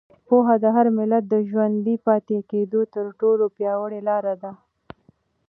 پوهه د هر ملت د ژوندي پاتې کېدو تر ټولو پیاوړې لاره ده.